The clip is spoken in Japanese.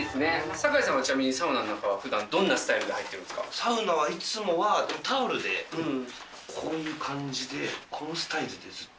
酒井さんはちなみにサウナの中はふだんどんなスタイルで入ってるサウナはいつもは、タオルで、こういう感じで、このスタイルでずっと。